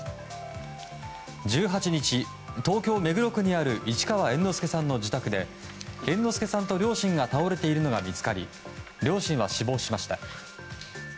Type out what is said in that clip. １８日、東京・目黒区にある市川猿之助さんの自宅で猿之助さんと両親が倒れているのが見つかり両親は死亡しました。